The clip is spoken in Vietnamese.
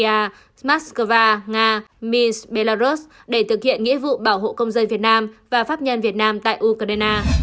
ia moscow nga mins belarus để thực hiện nghĩa vụ bảo hộ công dân việt nam và pháp nhân việt nam tại ukraine